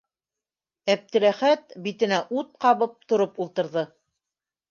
- Әптеләхәт, битенә ут ҡабып, тороп ултырҙы.